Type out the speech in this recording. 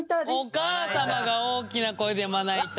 お母様が大きな声でまな板。